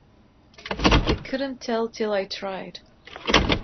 I couldn't tell till I tried.